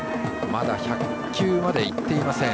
まだ１００球までいっていません